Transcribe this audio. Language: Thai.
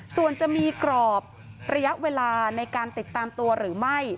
ส่วนจะมีกรอบระยะเวลาในการติดตามตัวหรือไม่